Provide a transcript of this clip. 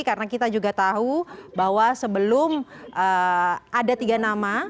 karena kita juga tahu bahwa sebelum ada tiga nama